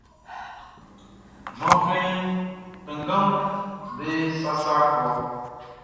Gbanflɛn kannganʼm be sasa klɔʼn.